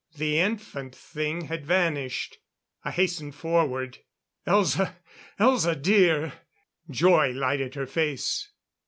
The infant thing had vanished. I hastened forward. "Elza! Elza, dear " Joy lighted her face.